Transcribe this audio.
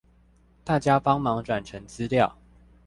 大家幫忙轉成資料